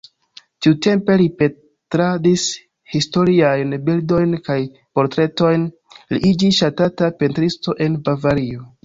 Tiutempe li pentradis historiajn bildojn kaj portretojn, li iĝis ŝatata pentristo en Bavario.